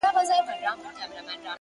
هره پریکړه د راتلونکي نقشه بدلوي,